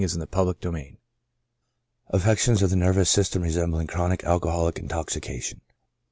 ALLIED AFFECTIONS. 67 AFFECTIONS OF THE NERVOUS SYSTEM RESEM BLING CHRONIC ALCOHOLIC INTOXICATION.